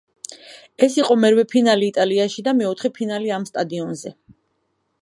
ეს იყო მერვე ფინალი იტალიაში და მეოთხე ფინალი ამ სტადიონზე.